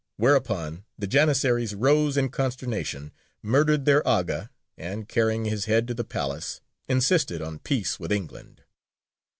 Whereupon the Janissaries rose in consternation, murdered their Aga, and, carrying his head to the Palace, insisted on peace with England.